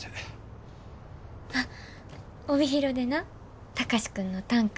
あっ帯広でな貴司君の短歌